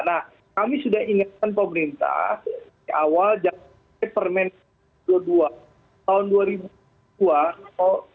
nah kami sudah ingatkan pemerintah di awal jangkaan permedad nomor dua puluh dua tahun dua ribu dua